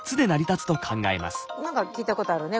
何か聞いたことあるね。